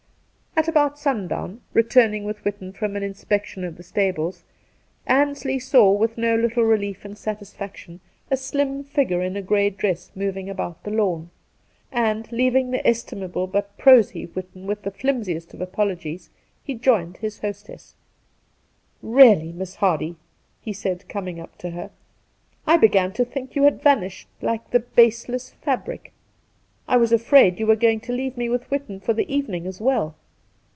At about sundown, returni:pg with Whitton fi omr an inspection of the stables, 'Ansley saw with no Two Christmas Days 209 little relief and satisfaction a slim figure in a gray dress moving about the lawn ; and, leaving the estimable but prosy Whitton with the flimsiest of apologies, he joined his hostess. ' Really, Miss Hardy,' he said, coming up to her, ' I began to think you had vanished like the " base less fabric." I was afraid you were going to leave me with Whitton for the evening as well.'